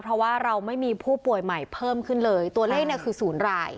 เพราะว่าเราไม่มีผู้ป่วยใหม่เพิ่มขึ้นเลยตัวเลขเนี่ยคือ๐ราย